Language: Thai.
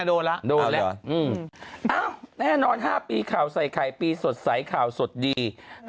อ้าวแน่นอน๕ปีข่าวใส่ไข่ปีสดสายข่าวสดดี